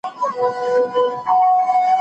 چي ککړي به یې سر کړلې په غرو کي